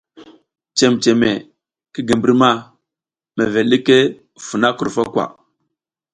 Cememe ki gi mbri ma mevel ɗiki funa krufo kwa.